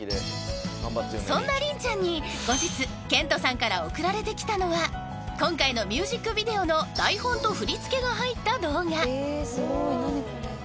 ［そんな凛ちゃんに後日ケントさんから送られてきたのは今回のミュージックビデオの台本と振り付けが入った動画］